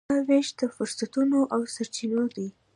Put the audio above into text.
دا وېش د فرصتونو او سرچینو دی.